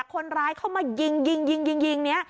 คนร้ายเข้ามายิงนี้